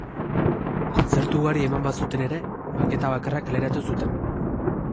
Kontzertu ugari eman bazuten ere maketa bakarra kaleratu zuten.